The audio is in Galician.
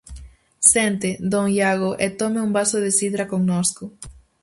Sente, don Iago, e tome un vaso de sidra connosco.